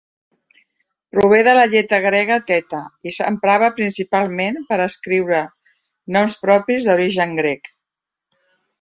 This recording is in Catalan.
Prové de la lletra grega theta, i s'emprava principalment per escriure noms propis d'origen grec.